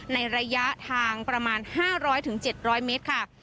ระยะทางประมาณ๕๐๐๗๐๐เมตรค่ะ